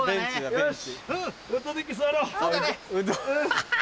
よし！